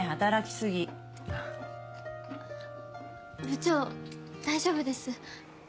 部長大丈夫です。